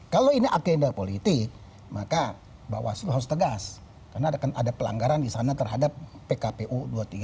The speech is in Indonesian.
kalau ini agenda politik maka bahwa harus tegas karena ada pelanggaran disana terhadap pkpu dua puluh tiga dua ribu delapan belas